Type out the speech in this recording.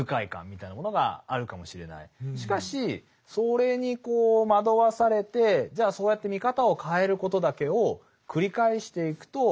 しかしそれに惑わされてじゃあそうやって見方を変えることだけを繰り返していくとどうなってしまうのか。